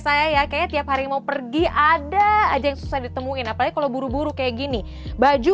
saya ya kayaknya tiap hari mau pergi ada aja yang susah ditemuin apalagi kalau buru buru kayak gini baju